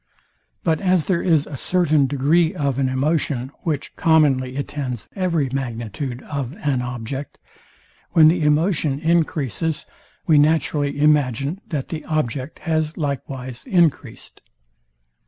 But as there is a certain degree of an emotion, which commonly attends every magnitude of an object; when the emotion encreases, we naturally imagine that the object has likewise encreased.